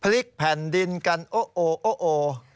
ลิกแผ่นดินกันโอโอ